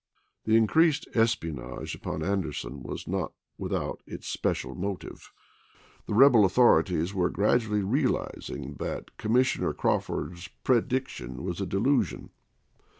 The increased espionage upon Anderson was not without its special motive. The rebel authori ties were gradually realizing that Commissioner Crawford's prediction was a delusion.